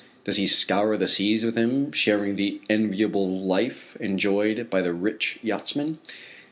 Does he scour the seas with him, sharing the enviable life enjoyed by the rich yachtsman?